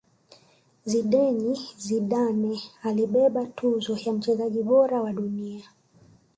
zinedine zidane alibeba tuzo ya mchezaji bora wa dunia